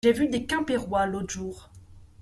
J’ai vu des Quimpérois l’autre jour.